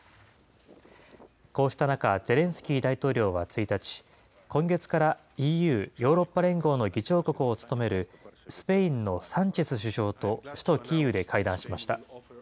こうした中、ゼレンスキー大統領は１日、今月からＥＵ・ヨーロッパ連合の議長国を務めるスペインのサンチェス首相と、首都キーウで会談しました。